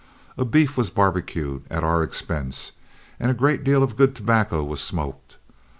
A beef was barbecued at our expense, and a great deal of good tobacco was smoked.